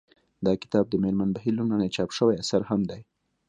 دا کتاب د مېرمن بهیر لومړنی چاپ شوی اثر هم دی